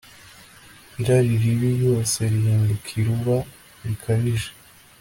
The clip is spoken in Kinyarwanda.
Irari ribi ryose rihinduka iruba rikabije